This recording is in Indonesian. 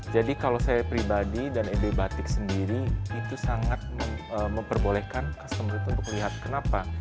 jadi kalau saya pribadi dan ebe batik sendiri itu sangat memperbolehkan customer itu melihat kenapa